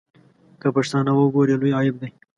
که پښتانه وګوري لوی عیب دی.